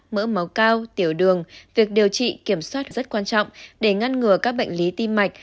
mỡ máu cao tiểu đường việc điều trị kiểm soát rất quan trọng để ngăn ngừa các bệnh lý tim mạch